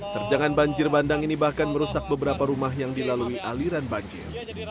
terjangan banjir bandang ini bahkan merusak beberapa rumah yang dilalui aliran banjir